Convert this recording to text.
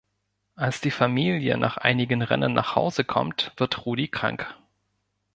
Als die Familie nach einigen Rennen nach Hause kommt, wird Rudi krank.